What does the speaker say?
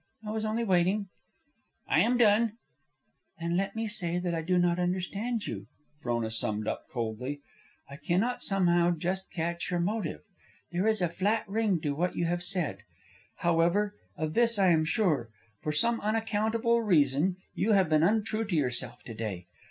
I was only waiting." "I am done." "Then let me say that I do not understand you," Frona summed up, coldly. "I cannot somehow just catch your motive. There is a flat ring to what you have said. However, of this I am sure: for some unaccountable reason you have been untrue to yourself to day.